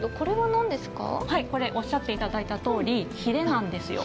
これおっしゃっていただいたとおりひれなんですよ。